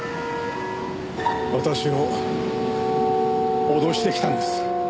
私を脅してきたんです。